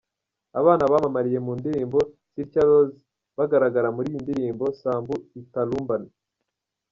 Abana bamamariye mu ndirimbo Sitya Loss bagaragara muri iyi ndirimbo Sambu Italumbna.